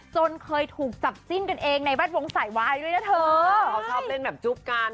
เคยถูกจับจิ้นกันเองในแวดวงสายวายด้วยนะเธอเขาชอบเล่นแบบจุ๊บกัน